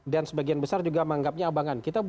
dan sebagian besar juga menganggapnya abangan